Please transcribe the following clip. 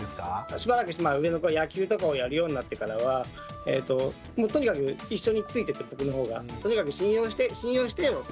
しばらくして上の子が野球とかをやるようになってからはとにかく一緒についてって僕のほうが。